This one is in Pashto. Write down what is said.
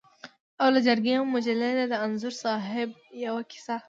او له جرګې مجلې نه د انځور صاحب یوه کیسه.